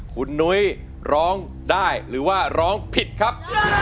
คุณนุ้ยร้องได้หรือว่าร้องผิดครับ